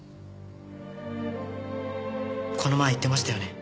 この前言ってましたよね。